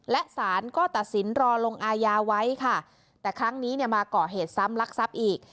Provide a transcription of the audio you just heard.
และสารก็ตัดสินรอลงอายาไว้ค่ะแต่ครั้งนี้เนี่ยมาก่อเหตุซ้ำลักทรัพย์อีก